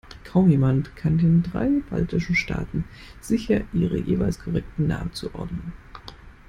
Kaum jemand kann den drei baltischen Staaten sicher ihren jeweils korrekten Namen zuordnen.